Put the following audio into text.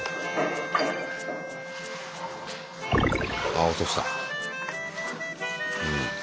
あ落とした。